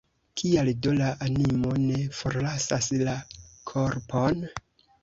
Kial do la animo ne forlasas la korpon?